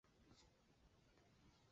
大拿坡里圣加大肋纳堂广场。